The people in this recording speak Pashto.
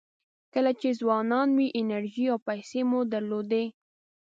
کله چې ځوانان وئ انرژي او پیسې مو درلودې.